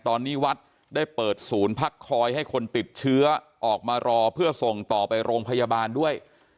ตอนนี้วัดได้เปิดศูนย์พักคอยให้คนติดเชื้อออกมารอเพื่อส่งต่อไปโรงพยาบาลด้วย